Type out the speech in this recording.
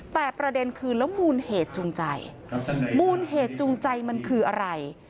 แต่ประเด็นคือแล้วมูลเหตุจูงใจมูลเหตุจูงใจมันคืออะไร